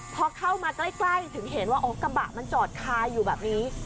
พอเข้ามาใกล้ถึงเห็นว่าอ๋อกระบะมันจอดคาอยู่แบบนี้